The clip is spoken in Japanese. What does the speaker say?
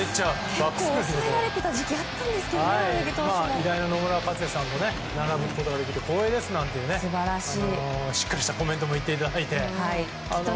偉大な野村克也さんと並ぶことができて光栄ですなんてしっかりしたコメントも言っていただいて。